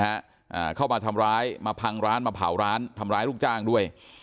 อ่าเข้ามาทำร้ายมาพังร้านมาเผาร้านทำร้ายลูกจ้างด้วย